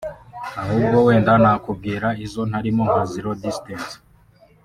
ahubwo wenda nakubwira izo ntarimo nka zero distance